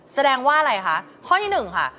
แสดงว่าอะไรคะข้อที่หนึ่งค่ะ